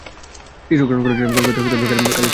চিত্রগ্রহণ করা হয়েছিল কলকাতার কালী ফিল্ম স্টুডিওতে।